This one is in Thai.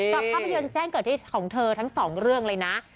ภาพยนตร์แจ้งเกิดที่ของเธอทั้งสองเรื่องเลยนะ